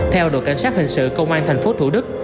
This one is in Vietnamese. theo đội cảnh sát hình sự công an thành phố thủ đức